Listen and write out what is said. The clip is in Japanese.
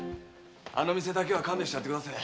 あの店だけは勘弁してやってくだせえ。